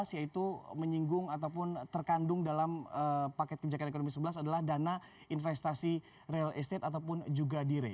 yaitu menyinggung ataupun terkandung dalam paket kebijakan ekonomi sebelas adalah dana investasi real estate ataupun juga dire